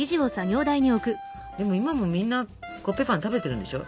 でも今もみんなコッペパン食べてるんでしょ？